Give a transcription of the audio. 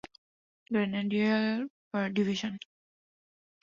Grenadier Division.